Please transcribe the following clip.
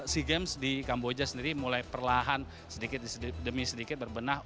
sea games di kamboja sendiri mulai perlahan sedikit demi sedikit berbenah